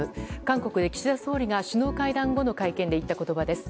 こちら岸田総理が韓国で、首脳会談後の会見で言った言葉です。